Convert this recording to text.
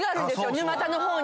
沼田の方に。